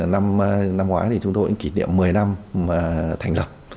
năm năm ngoái thì chúng tôi cũng kỷ niệm một mươi năm thành lập